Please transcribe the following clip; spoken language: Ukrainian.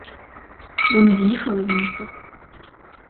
Вони в'їхали в місто.